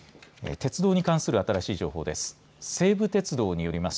鉄道に関する新しい情報です。